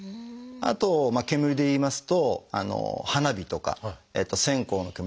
あと煙でいいますと花火とか線香の煙。